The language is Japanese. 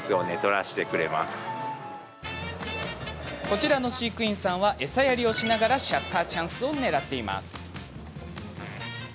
こちらの飼育員さんは餌やりをしながらシャッターチャンスをねらっています。